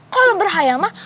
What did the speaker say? kalau berkhayal mah